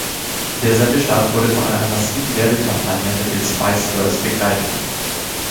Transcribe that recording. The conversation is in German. Der Sendestart wurde von einer massiven Werbekampagne mit den Spice Girls begleitet.